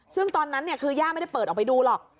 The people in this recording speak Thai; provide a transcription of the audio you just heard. ซึ่งตอนนั้นคือย่าไม่ได้เปิดออกไปดูหรอก